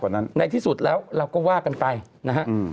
นั้นในที่สุดแล้วเราก็ว่ากันไปนะฮะ